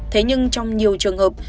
thế nhưng trong nhiều trường hợp